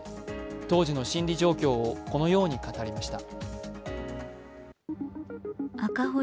当時の心理状況をこのように語りました。